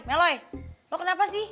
meloy lo kenapa sih